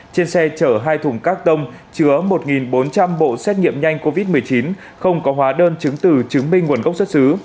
trên xe chở hai thùng các tông chứa một bốn trăm linh bộ xét nghiệm nhanh covid một mươi chín không có hóa đơn chứng từ chứng minh nguồn gốc xuất xứ